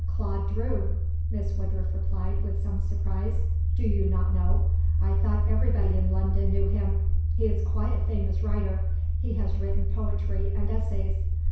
Claude Drew?" Miss Woodruff replied with some surprise. "Do you not know? I thought that everybody in London knew him. He is quite a famous writer. He has written poetry and essays.